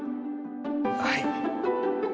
はい。